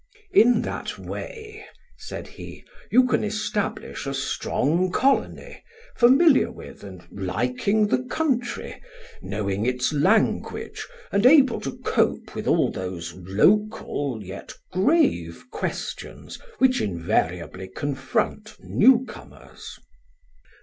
"In that way," said he, "you can establish a strong colony, familiar with and liking the country, knowing its language and able to cope with all those local yet grave questions which invariably confront newcomers."